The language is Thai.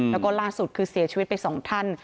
แล้วก็ล่าสุดคือเสียชีวิตไป๒ท่าน